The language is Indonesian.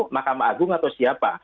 makam agung atau siapa